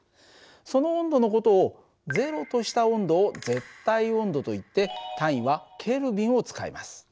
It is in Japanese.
その温度の事を０とした温度を絶対温度といって単位はＫを使います。